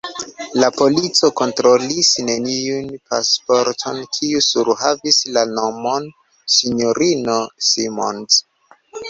La polico kontrolis neniun pasporton, kiu surhavis la nomon S-ino Simons.